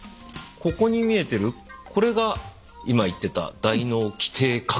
ここに見えてるこれが今言ってた大脳基底核ですか。